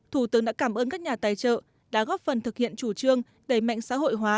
thủ tướng đã cảm ơn các nhà tài trợ đã góp phần thực hiện chủ trương đẩy mạnh xã hội hóa